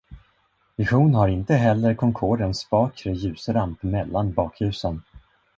Vision har inte heller Concordens bakre ljusramp mellan bakljusen.